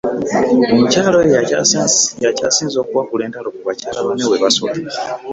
Omukyala oyo y'akyasinze okuwankula entabo ku bakyala banne we basula.